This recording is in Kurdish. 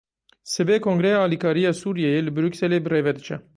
Sibê kongreya alîkariya Sûriyeyê, li Brukselê birêve diçe.